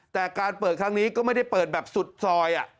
แต่การเปิดครั้งนี้ก็ไม่ได้เปิดแบบสุดซอย